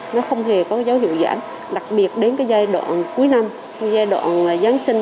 nó không hề có dấu hiệu giảm đặc biệt đến cái giai đoạn cuối năm giai đoạn giáng sinh